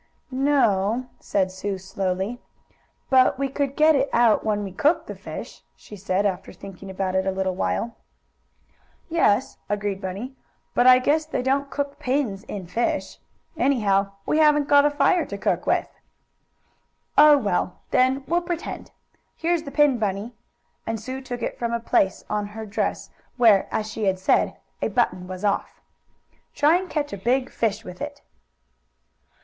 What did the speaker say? "No," said Sue slowly. "But we could get it out when we cook the fish," she said, after thinking about it a little while. "Yes," agreed Bunny. "But I guess they don't cook pins in fish. Anyhow we haven't got a fire to cook with." "Oh, well, then we'll pretend. Here's the pin, Bunny," and Sue took it from a place on her dress where, as she had said, a button was off. "Try and catch a big fish with it."